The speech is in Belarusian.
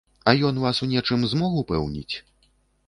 А ён вас у нечым змог упэўніць?